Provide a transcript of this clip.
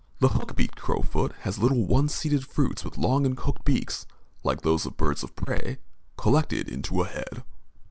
The hook beaked crowfoot has little one seeded fruits with long and hooked beaks, like those of birds of prey, collected into a head.